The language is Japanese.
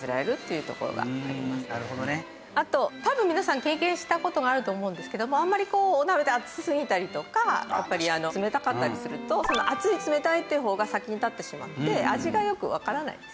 あと多分皆さん経験した事があると思うんですけどもあんまりお鍋で熱すぎたりとか冷たかったりするとその「熱い冷たい」っていう方が先に立ってしまって味がよくわからないんですよね。